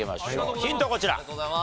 ヒントこちら！